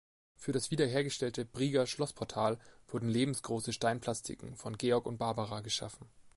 Für das wiederhergestellte Brieger Schlossportal wurden lebensgroße Steinplastiken von Georg und Barbara geschaffen.